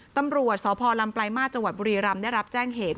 ตำรวจสพลำปลายมาสจังหวัดบุรีรำได้รับแจ้งเหตุ